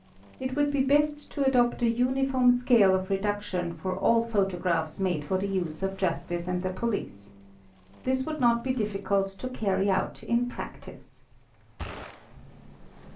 It would be best to adopt a uniform scale of reduction for all photographs made for the use of justice and the police. This would not be difficult to carry jut in. practice.